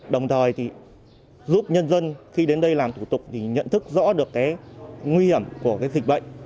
đồng thời giúp nhân dân khi đến đây làm thủ tục nhận thức rõ được nguy hiểm của dịch bệnh